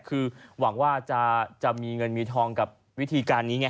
คือหวังว่าจะมีเงินมีทองกับวิธีการนี้ไง